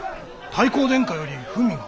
太閤殿下より文が。